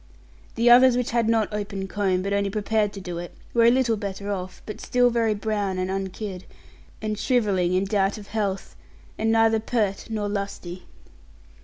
The others which had not opened comb, but only prepared to do it, were a little better off, but still very brown and unkid, and shrivelling in doubt of health, and neither peart nor lusty.